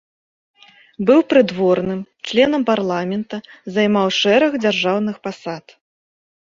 Быў прыдворным, членам парламента, займаў шэраг дзяржаўных пасад.